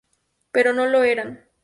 Pero no lo eran.